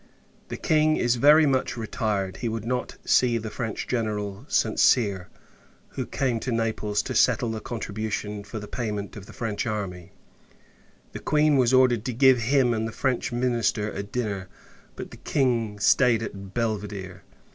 The King is very much retired. He would not see the French General, St. Cyr; who came to Naples, to settle the contribution for the payment of the French army. The Queen was ordered to give him and the French minister a dinner, but the King staid at Belvidere.